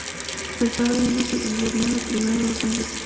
A pesar de ello, se vendió bien los primeros dos años.